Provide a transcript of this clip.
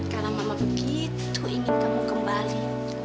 karena mama begitu ingin kamu kembali